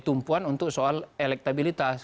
tumpuan untuk soal elektabilitas